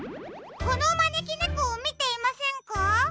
このまねきねこをみていませんか？